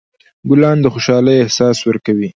ګلان د خوشحالۍ احساس ورکوي.